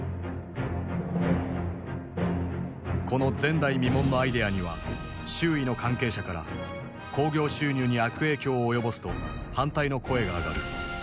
この前代未聞のアイデアには周囲の関係者から興行収入に悪影響を及ぼすと反対の声が上がる。